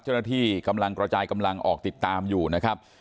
เจ้าหน้าที่กำลังกระจายกำลังออกติดตามอยู่นะครับ